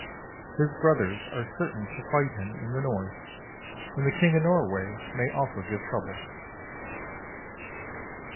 His brothers are certain to fight him in the North, and the King of Norway may also give trouble.